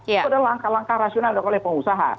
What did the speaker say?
itu adalah langkah langkah rasional oleh pengusaha